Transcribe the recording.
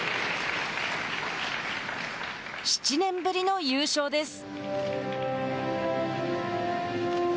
７年ぶりの優勝です。